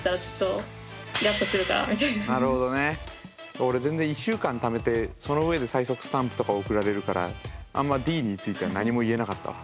俺全然１週間ためてその上で催促スタンプとか送られるからあんまＤについては何も言えなかったわ。